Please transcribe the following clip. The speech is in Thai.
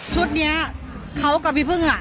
ชุดนี้เขากับพี่พึ่ง